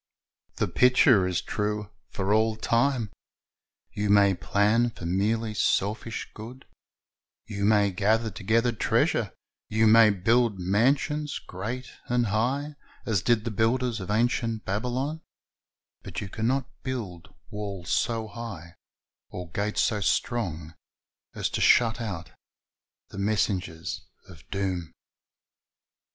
The picture is true for all time. You may plan for merely selfish good, you may gather together treasure, you may build mansions great and high, as did the builders of ancient Babylon; but you can not build wall so high or gate so strong as to shut out the messengers of doom.